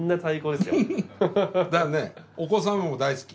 だよねお子さんも大好き。